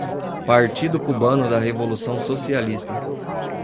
Partido Cubano da Revolução Socialista